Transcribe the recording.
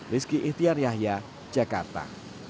rizky itiar yahya jakarta